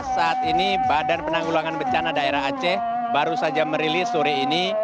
saat ini badan penanggulangan bencana daerah aceh baru saja merilis sore ini